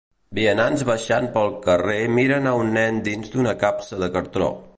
Vianants baixant pel carrer miren a un nen dins d'una capsa de cartó